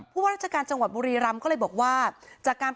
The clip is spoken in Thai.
พวกราชการจังหวัดบรีรำก็เลยบอกว่า